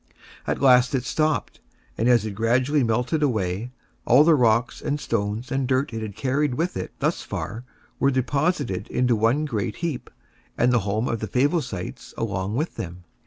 At last it stopped, and as it gradually melted away, all the rocks and stones and dirt it had carried with it thus far, were deposited into one great heap, and the home of the Favosites along with them.